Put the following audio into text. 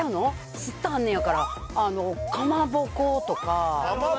すってあんねやから、かまぼことか。